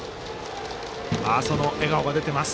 その笑顔が出ています。